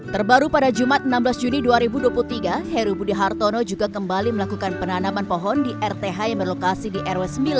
terbaru pada jumat enam belas juni dua ribu dua puluh tiga heru budi hartono juga kembali melakukan penanaman pohon di rth yang berlokasi di rw sembilan